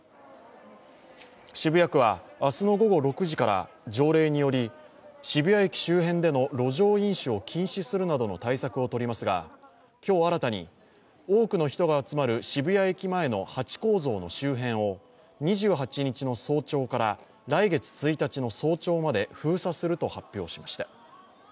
渋谷区は、明日の午後６時から条例により渋谷駅周辺での路上飲酒を禁止するなどの対策を取りますが、今日新たに、多くの人が集まる渋谷駅前のハチ公像の周辺を、２８日の早朝から来月１日の早朝まで封鎖すると発表しました。